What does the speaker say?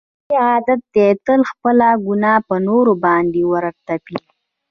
د علي عادت دی تل خپله ګناه په نورو باندې ور تپي.